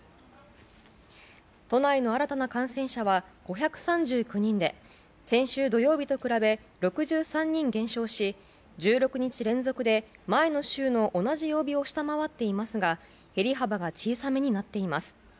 都内の新たな感染者は５３９人で先週土曜日と比べ６３人減少し１６日連続で前の週の同じ曜日を下回っていますが減り幅が小さめになっています。